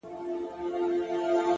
لـه ژړا دي خداى را وساته جانـانـه،